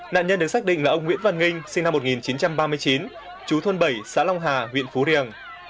nạn nhân được xác định là ông nguyễn văn nghinh sinh năm một nghìn chín trăm ba mươi chín chú thôn bảy xã long hà huyện phú riềng